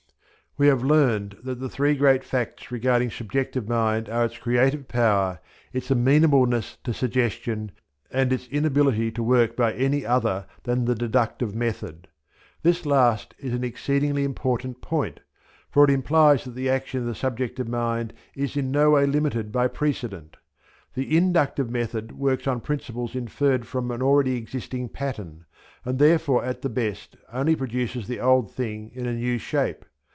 We have learnt that the three great facts regarding subjective mind are its creative power, its amenableness to suggestion, and its inability to work by any other than the deductive method. This last is an exceedingly important point, for it implies that the action of the subjective mind is in no way limited by precedent. The inductive method works on principles inferred from an already existing pattern, and therefore at the best only produces the old thing in a new shape.